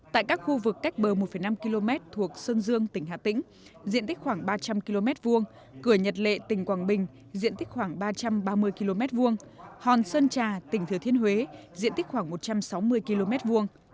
tại các khu vực cách bờ một năm km thuộc sơn dương tỉnh hà tĩnh diện tích khoảng ba trăm linh km vuông cửa nhật lệ tỉnh quảng bình diện tích khoảng ba trăm ba mươi km hai hòn sơn trà tỉnh thừa thiên huế diện tích khoảng một trăm sáu mươi km hai